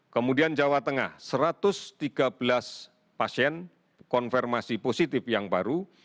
kemudian jawa tengah satu ratus tiga belas pasien konfirmasi positif yang baru